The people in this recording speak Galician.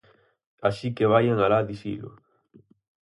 Así que vaian alá dicilo.